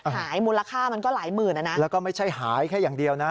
มูลค่ามันก็หลายหมื่นอ่ะนะแล้วก็ไม่ใช่หายแค่อย่างเดียวนะ